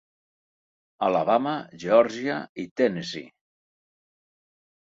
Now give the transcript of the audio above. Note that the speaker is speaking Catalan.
Alabama, Geòrgia i Tennessee.